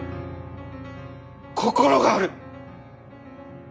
心がある！